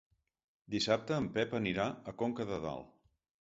Dissabte en Pep anirà a Conca de Dalt.